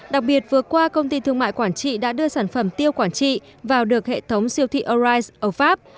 đặc biệt vừa qua công ty thương mại quảng trị đã đưa sản phẩm tiêu quảng trị vào được hệ thống siêu thị orise ở pháp